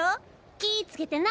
気ぃつけてな！